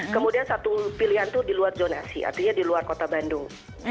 kemudian satu pilihan itu di luar zonasi artinya di luar kota bandung